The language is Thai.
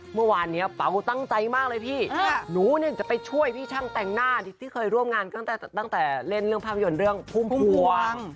เมื่อวานนี้เป๋าตั้งใจมากเลยพี่หนูเนี่ยจะไปช่วยพี่ช่างแต่งหน้าที่เคยร่วมงานตั้งแต่เล่นเรื่องภาพยนตร์เรื่องพุ่มพวง